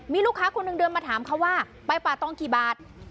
มีลูกค้าคนหนึ่งเดินมาถามเขาว่าไปป่าตองกี่บาท